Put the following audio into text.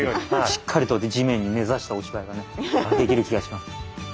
しっかりと地面に根ざしたお芝居がねできる気がします。